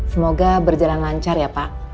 semoga berjalan lancar ya pak